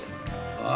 ああ